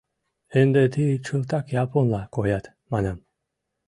«Ынде тый чылтак японла коят, — манам.